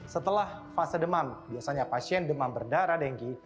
setelah fase demam biasanya pasien demam berdarah dengki